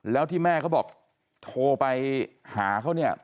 แล้วที่แม่เขาบอกโทรไปหาเขาเนี่ย